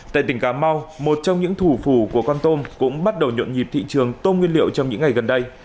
tại tỉnh cà mau một trong những thủ phủ của con tôm cũng bắt đầu nhộn nhịp thị trường tôm nguyên liệu trong những ngày gần đây